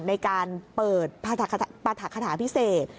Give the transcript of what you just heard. ในการเปิดปรัฐคาถาพิเศษ